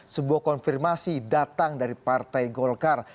sebuah konfirmasi datang dari partai golkar